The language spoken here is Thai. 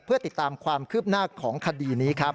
เพื่อติดตามความคืบหน้าของคดีนี้ครับ